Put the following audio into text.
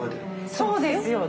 そうですよね？